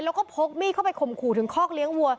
แล้วก็พกมีดเข้าไปข่มขู่ถึงคอกเลี้ยงวัว